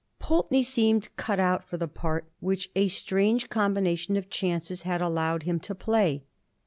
Pulteney seemed cut out for the part which a strange combination of chances had allowed him to play.